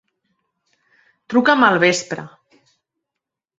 Truca'm al vespre.